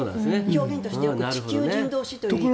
表現としてよく地球人同士という言い方をします。